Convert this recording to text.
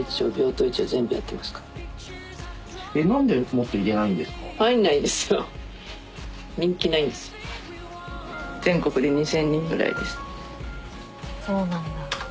・えっそうなんだ。